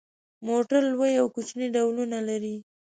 موټر لوی او کوچني ډولونه لري.